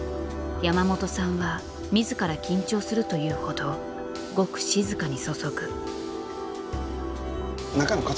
山本さんは自ら緊張すると言うほどごく静かに注ぐ。